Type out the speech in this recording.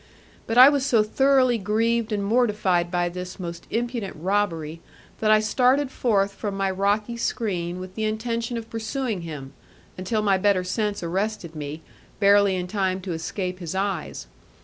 But I was so thoroughly grieved and mortified by this most impudent robbery, that I started forth from my rocky screen with the intention of pursuing him, until my better sense arrested me, barely in time to escape his eyes.